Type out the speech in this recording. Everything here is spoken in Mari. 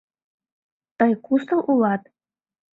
— Тый кусо улат?